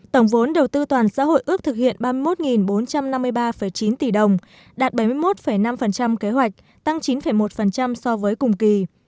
tổng vốn đầu tư toàn xã hội ước thực hiện ba mươi một bốn trăm năm mươi ba chín tỷ đồng đạt bảy mươi một năm kế hoạch tăng chín một so với cùng kỳ